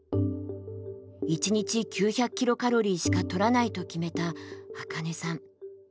一日９００キロカロリーしかとらないと決めたアカネさん。